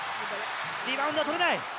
リバウンドはとれない。